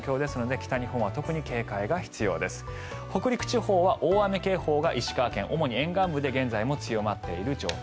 北陸地方は大雨警報が石川県の主に沿岸部で現在も強まっている状況。